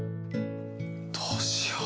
どうしよう。